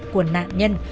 của nạn nhân